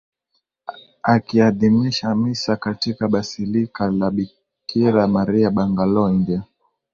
akiadhimisha Misa katika Basilika la Bikira Maria Bangalore India